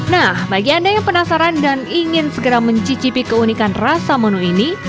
nah bagi anda yang penasaran dan ingin segera mencicipi keunikan rasa menu ini